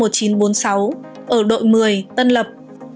ở đội một mươi tân lập